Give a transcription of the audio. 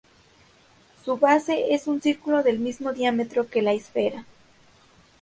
Su base es un círculo del mismo diámetro que la esfera.